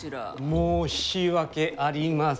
申し訳ありません。